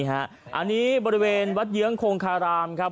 อันนี้บริเวณวัดเยื้องคงคารามครับ